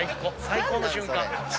最高の瞬間。